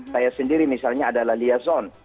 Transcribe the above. saya sendiri misalnya adalah liazon